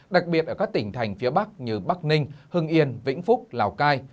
đặc biệt ở các tỉnh thành phía bắc như bắc ninh hưng yên vĩnh phúc lào cai